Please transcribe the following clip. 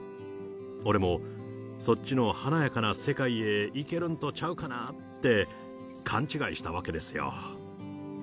俺もそっちの華やかな世界へ行けるんとちゃうかなって、勘違いしたわけですよ。